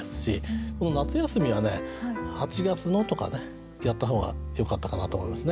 この「夏休み」はね「８月の」とかやった方がよかったかなと思いますね。